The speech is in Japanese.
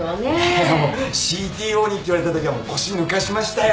ＣＴＯにって言われたときは腰抜かしましたよ。